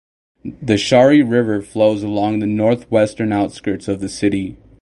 The Shari River flows along the northwestern outskirts of the city.